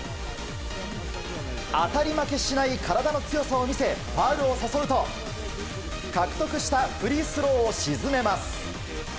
当たり負けしない体の強さを見せファウルを誘うと獲得したフリースローを沈めます。